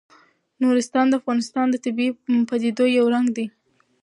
نورستان د افغانستان د طبیعي پدیدو یو رنګ دی.